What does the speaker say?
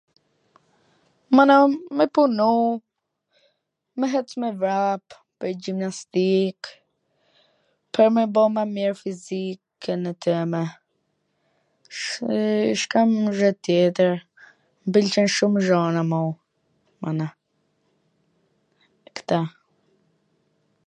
Mana, me punu, me hec me vrap pwr gjimnastik, pwr me ba ma mir fizikwn teme, sh ... www ... sh kam xhw tjetwr... m pwlqen shum xhana mo, kta.